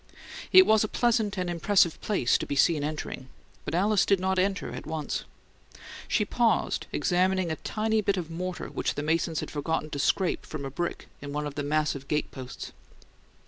It was a pleasant and impressive place to be seen entering, but Alice did not enter at once. She paused, examining a tiny bit of mortar which the masons had forgotten to scrape from a brick in one of the massive gate posts.